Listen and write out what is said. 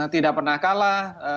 tidak pernah kalah